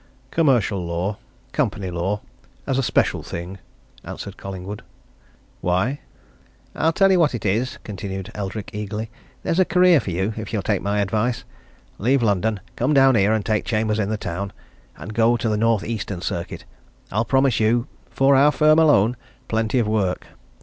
"Commercial law company law as a special thing," answered Collingwood. "Why?" "I'll tell you what it is," continued Eldrick eagerly. "There's a career for you if you'll take my advice. Leave London come down here and take chambers in the town, and go the North Eastern Circuit. I'll promise you for our firm alone plenty of work.